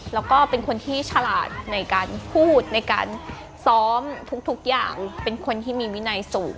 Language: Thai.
แล้วก็เป็นคนที่ฉลาดในการพูดในการซ้อมทุกอย่างเป็นคนที่มีวินัยสูง